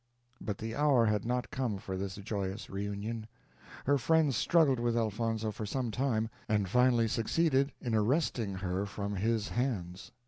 But the hour had not come for this joyous reunion; her friends struggled with Elfonzo for some time, and finally succeeded in arresting her from his hands.